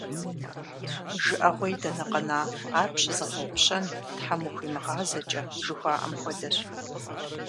ЖыӀэгъуей дэнэ къэна, ар пщызыгъэгъупщэн Тхьэм ухуимыгъазэкӀэ жыхуаӀэм хуэдэщ.